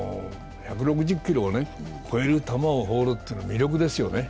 １６０キロを超える球を放るというのは魅力ですよね。